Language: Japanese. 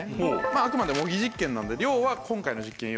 あくまで模擬実験なので量は今回の実験用の量ですけど。